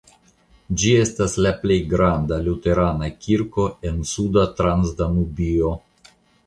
Ĝi estas la plej granda luterana kirko en Suda Transdanubio.